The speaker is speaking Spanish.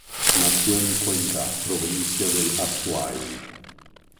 Nació en Cuenca, provincia del Azuay.